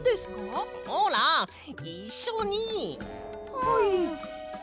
はい。